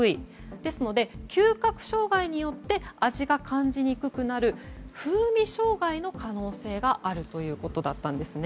ですので嗅覚障害によって味が感じにくくなる風味障害の可能性があるということだったんですね。